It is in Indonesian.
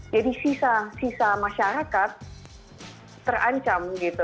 jadi sisa sisa masyarakat terancam